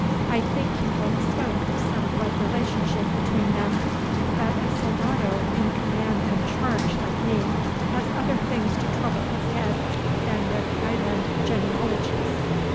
I think you once spoke of some blood relationship between them; but a soldado, in command and charge like me, has other things to trouble his head with than Highland genealogies."